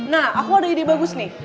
nah aku ada ide bagus nih